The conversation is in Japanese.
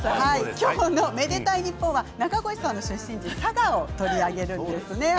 今日の「愛でたいｎｉｐｐｏｎ」は中越さんの出身地佐賀を取り上げるんですね。